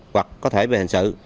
hoặc có thể về hành sự